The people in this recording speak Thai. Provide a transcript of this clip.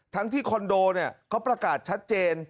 ทั้งที่คอนโดเขาประกาศชัดเจน